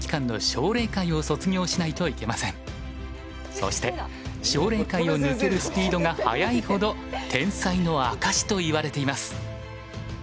そして奨励会を抜けるスピードが速いほど天才の証しといわれています。